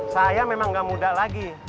saya memang gak muda lagi